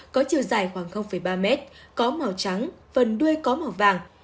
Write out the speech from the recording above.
có chiều dài khoảng ba mét có màu trắng phần đuôi có màu vàng